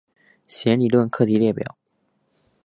弦理论课题列表。